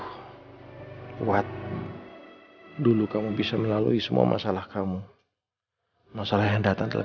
hai hard dulu kamu bisa melalui semua masalah kamu masalah yang datang dalam